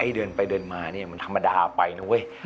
เดินไปเดินมาเนี่ยมันธรรมดาไปนะเว้ย